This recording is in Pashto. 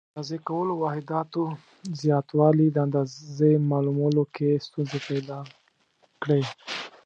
د اندازه کولو واحداتو زیاتوالي د اندازې معلومولو کې ستونزې پیدا کړې.